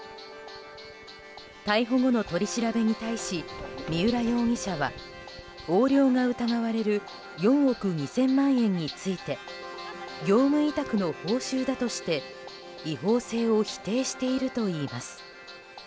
逮捕後の取り調べに対し三浦容疑者は横領が疑われる４億２０００万円について業務委託の報酬だとして違法性を否定しているといいます。